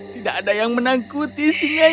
tidak ada yang menakuti singa yang